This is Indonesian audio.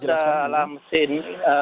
itu ada dalam scene